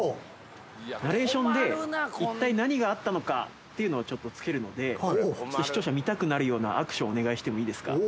ナレーションで、一体何があったのかっていうのを、ちょっとつけるので、視聴者が見たくなるようなアクション、お願いしてもいいですか。